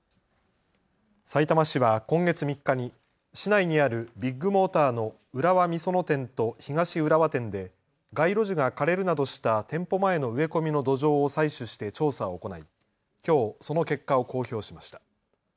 さいたま市は今月３日に市内にあるビッグモーターの浦和美園店と東浦和店で街路樹が枯れるなどした店舗前の植え込みの土壌を採取して調査を行いきょう、その結果を公表しました。